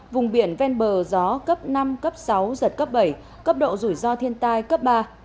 vùng biển ven bờ gió cấp năm cấp sáu giật cấp bảy cấp độ rủi ro thiên tai cấp ba